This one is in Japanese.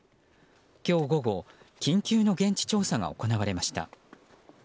今日午後緊急の現地調査が行われました。